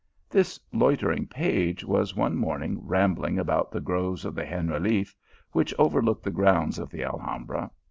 This loitering page was one morning rambling about the groves of the Generalise, which overlook the grounds of the Alhambra.